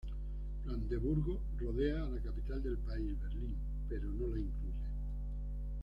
Brandeburgo rodea a la capital del país, Berlín, pero no la incluye.